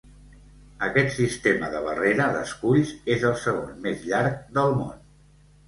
Aquest sistema de barrera d'esculls és el segon més llarg del món.